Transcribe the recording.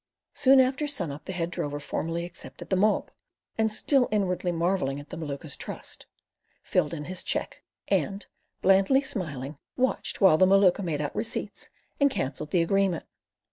Soon after sun up the head drover formally accepted the mob, and, still inwardly marvelling at the Maluka's trust, filled in his cheque, and, blandly smiling, watched while the Maluka made out receipts and cancelled the agreement.